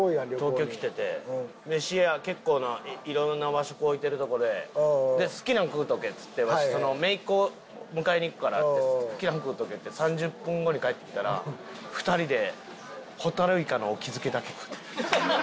東京来ててメシ屋結構ないろんな和食置いてるとこでで好きなん食うとけっつってわしその姪っ子迎えに行くから好きなん食うとけって３０分後に帰ってきたら２人でホタルイカの沖漬けだけ食ってた。